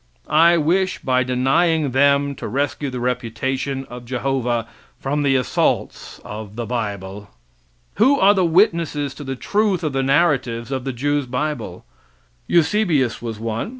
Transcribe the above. I wish by denying them to rescue the reputation of Jehovah from the assaults of the bible. Who are the witnesses to the truth of the narratives of the Jews' bible? Eusebius was one.